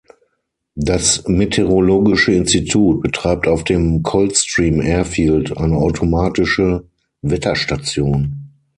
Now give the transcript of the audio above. Das Meteorologische Institut betreibt auf dem Coldstream Airfield eine automatische Wetterstation.